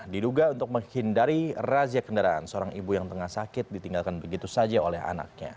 diduga untuk menghindari razia kendaraan seorang ibu yang tengah sakit ditinggalkan begitu saja oleh anaknya